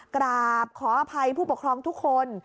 กราบขออภัยผู้ปกครองทุกคน